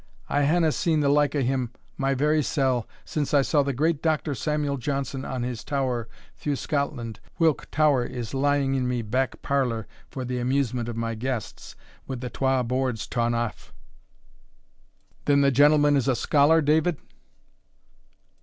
I haena seen the like o' him my very sell since I saw the great Doctor Samuel Johnson on his tower through Scotland, whilk tower is lying in my back parlour for the amusement of my guests, wi' the twa boards torn aff." "Then the gentleman is a scholar, David?"